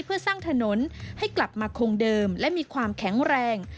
เพื่อสร้างถนนให้กลับมาคงเดิมและมีความแข็งแรง